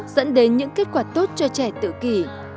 dẫn đến những kết quả tốt cho trẻ tự kỷ